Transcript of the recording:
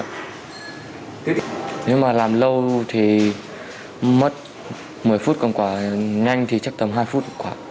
nếu mà làm lâu thì mất một mươi phút còn quả nhanh thì chắc tầm hai phút khoảng